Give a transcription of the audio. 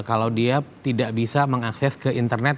kalau dia tidak bisa mengakses ke internet